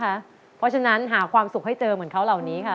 เพราะฉะนั้นหาความสุขให้เจอเหมือนเขาเหล่านี้ค่ะ